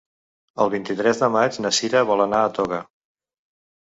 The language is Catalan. El vint-i-tres de maig na Sira vol anar a Toga.